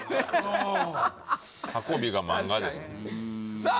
うん運びが漫画ですさあ